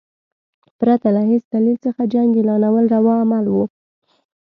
پرته له هیڅ دلیل څخه جنګ اعلانول روا عمل وو.